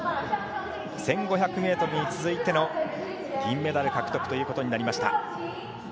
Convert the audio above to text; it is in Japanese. １５００ｍに続いての銀メダル獲得ということになりました。